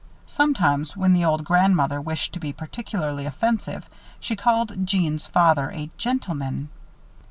Sometimes, when the old grandmother wished to be particularly offensive, she called Jeanne's father "a gentleman."